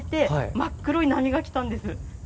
真っ黒い波が来たんですか？